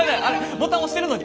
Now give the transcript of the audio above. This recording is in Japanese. ボタン押してるのに！